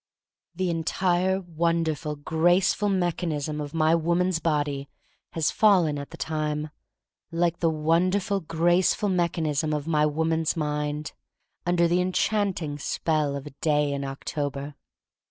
The entire wonderful, graceful mech anism of my woman*s body has fallen at the time — like the wonderful, grace ful mechanism of my woman*s mind — under the enchanting spell of a day in October.